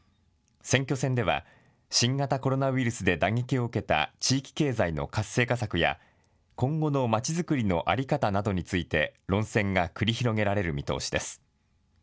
選挙戦では新型コロナウイルスで打撃を受けた地域経済の活性化策や今後のまちづくりの在り方などについて論戦が繰り広げられる見通しです。